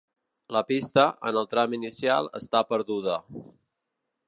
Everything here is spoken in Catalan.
La pista, en el tram inicial està perduda.